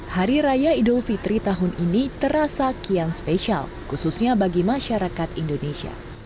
hari raya idul fitri tahun ini terasa kian spesial khususnya bagi masyarakat indonesia